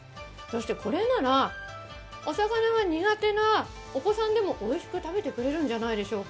これなら、お魚が苦手なお子さんでもおいしく食べてくれるんじゃないでしょうか。